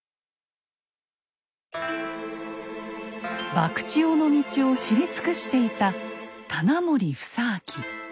博打尾の道を知り尽くしていた棚守房顕。